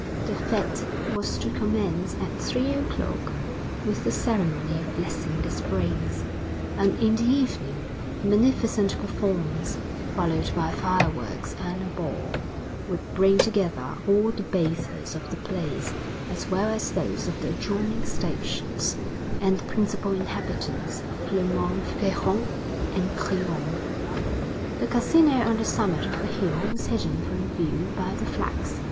The fête was to commence at three o'clock with the ceremony of blessing the springs; and in the evening, a magnificent performance, followed by fireworks and a ball, would bring together all the bathers of the place, as well as those of the adjoining stations, and the principal inhabitants of Clermont Ferrand and Riom. The Casino on the summit of the hill was hidden from view by the flags.